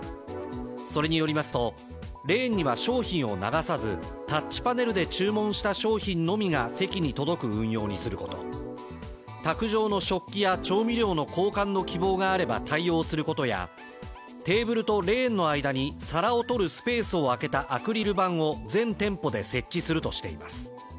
それによりますと、レーンには商品を流さず、タッチパネルで注文した商品のみが席に届く運用にすること、卓上の食器や調味料の交換の希望があれば対応することや、テーブルとレーンの間に皿を取るスペースをあけたアクリル板を全店舗で設置するとしています。